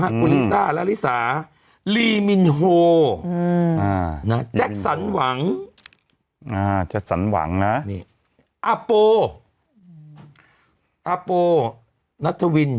ลากราศาลาริสาลีมินโฮจัทสันหวังอาโปล์นัตฑวิน